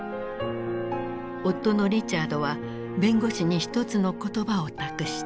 夫のリチャードは弁護士に一つの言葉を託した。